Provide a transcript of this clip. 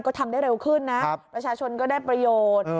ก็ทำได้เร็วขึ้นนะประชาชนก็ได้ประโยชน์